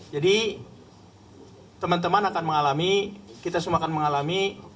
jadi teman teman akan mengalami kita semua akan mengalami